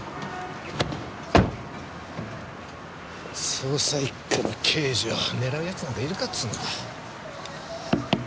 捜査一課の刑事を狙う奴なんかいるかっつうんだ！